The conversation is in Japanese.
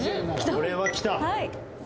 これはきた。